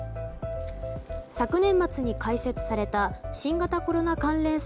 昨年末に開設された新型コロナ関連